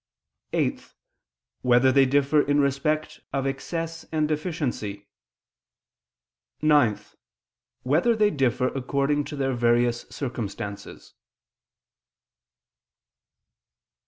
(8) Whether they differ in respect of excess and deficiency? (9) Whether they differ according to their various circumstances?